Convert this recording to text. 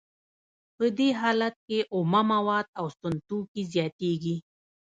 په دې حالت کې اومه مواد او سون توکي زیاتېږي